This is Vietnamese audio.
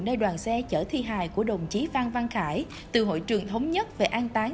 nơi đoàn xe chở thi hài của đồng chí phan văn khải từ hội trường thống nhất về an tái